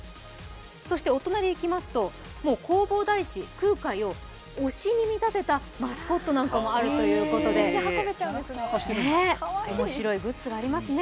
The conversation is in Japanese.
そしてお隣へいきますと弘法大師・空海を推しに見立てたマスコットなんかもあるということで面白いグッズがありますね。